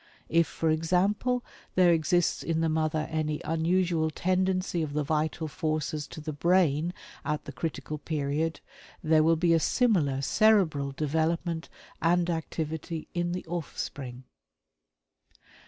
If, for example, there exists in the mother any unusual tendency of the vital forces to the brain at the critical period, there will be a similar cerebral development and activity in the offspring."